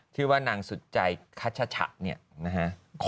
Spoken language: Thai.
ชื่อว่านางสุดใจคัชชะเนี่ยนะฮะ